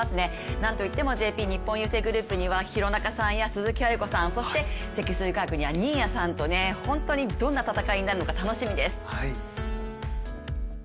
なんといってもＪＰ日本郵政グループには廣中さんや鈴木亜由子さん、積水化学には新谷さんと、どんな戦いになるのか楽しみです。